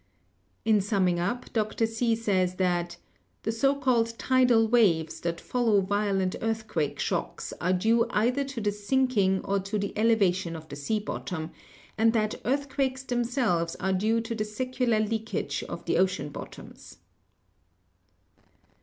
In summing up, Dr. See says that "the so called 'tidal waves' that follow violent earthquake shocks are due either to the sinking or to the elevation of the sea bottom, and that earthquakes themselves are due to the secular leakage of the ocean bottoms."